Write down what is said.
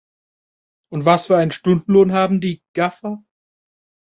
Und was für einen Stundenlohn haben die "Gaffer"?